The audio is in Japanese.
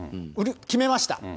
決めました。